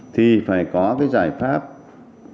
thì phải có cái giải pháp phối hợp